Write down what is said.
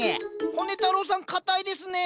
骨太郎さん固いですね。